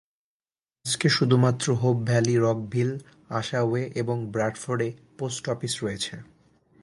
আজকে শুধুমাত্র Hope Valley, Rockville, Ashaway এবং ব্র্যাডফোর্ডে পোস্ট অফিস রয়েছে।